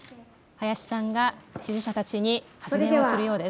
林さんが支持者たちに発言をするようです。